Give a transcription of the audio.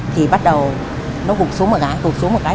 thì bắt đầu nó vụt xuống một cái vụt xuống một cái